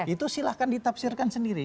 itu silahkan ditafsirkan sendiri